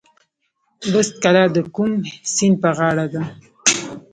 بست کلا د کوم سیند په غاړه ده؟